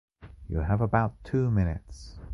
You have about two minutes.